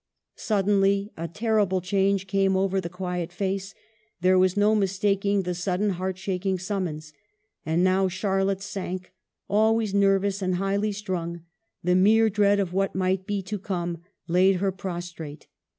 Suddenly a terrible change came over the quiet face ; there was no mistaking the sudden, heart shaking summons. And now Charlotte sank ; always nervous and highly strung, the mere dread of what might be to come, laid her prostrate.